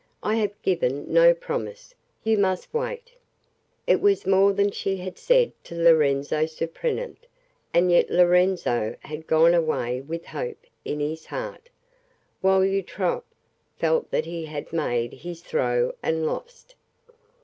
I have given no promise. You must wait." It was more than she had said to Lorenzo Surprenant, and yet Lorenzo had gone away with hope in his heart, while Eutrope felt that he had made his throw and lost.